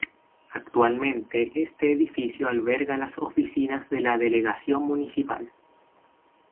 Actualmente, este edificio alberga las oficinas de la Delegación Municipal.